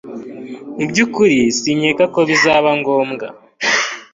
Mubyukuri sinkeka ko bizaba ngombwa.